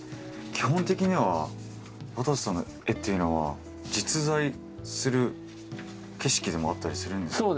基本的にはわたせさんの絵っていうのは実在する景色でもあったりするんですか？